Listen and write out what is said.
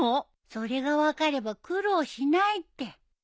それが分かれば苦労しないって。